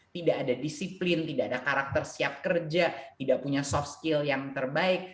tidak ada disiplin tidak ada karakter siap kerja tidak punya soft skill yang terbaik